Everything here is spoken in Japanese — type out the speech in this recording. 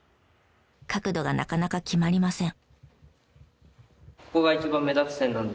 角度がなかなか決まりません。